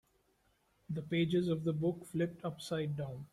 The pages of the book flipped upside down.